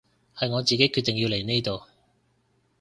係我自己決定要嚟呢度